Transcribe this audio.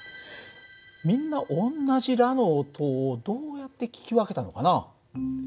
みんな同じラの音をどうやって聞き分けたのかな？